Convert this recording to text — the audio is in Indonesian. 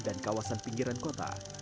dan kawasan pinggiran kota